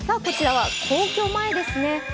こちらは皇居前ですね。